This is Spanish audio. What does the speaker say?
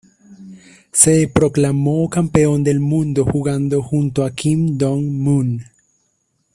Se proclamó campeón del mundo jugando junto a Kim Dong-moon.